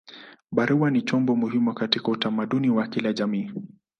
Barua ni chombo muhimu katika utamaduni wa kila jamii.